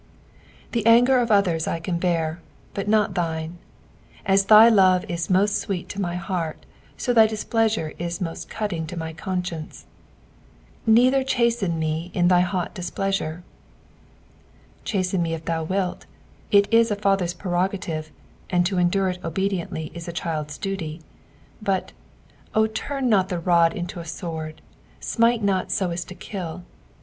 "Die anger of others I can bear, but not thine. As thy love is most sweet to my heart, ao tby displeasure is most cutting to my conscience. ".Neither chasten ma in thy hit ditpUamre." Chasten me if thou wilt, it ia a Father's prerogative, and to endure it obediently is a child's duty ; but, O turn not the lod into a sword, Emite not eo as to kill.